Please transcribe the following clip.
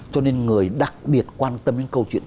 cho nên người đặc biệt quan tâm đến câu chuyện